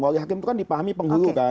wali hakim itu kan dipahami penggul kan